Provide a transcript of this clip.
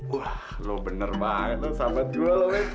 wah lo bener banget lo sahabat gue loes